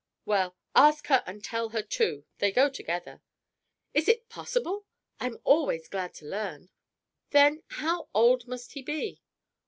"Well, ask her and tell her, too; they go together!" "Is it possible! I'm always glad to learn!" "Then, how old must he be?"